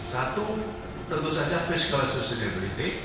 satu tentu saja fiscal sustainability